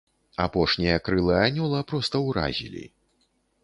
Апошнія крылы анёла проста уразілі.